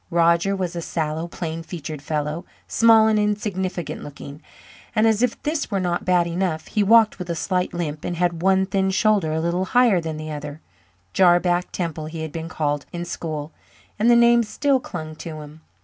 Roger was a sallow, plain featured fellow, small and insignificant looking. And, as if this were not bad enough, he walked with a slight limp and had one thin shoulder a little higher than the other "Jarback" Temple he had been called in school, and the name still clung to him.